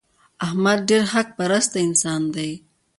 احمد ډېر حق پرسته انسان دی.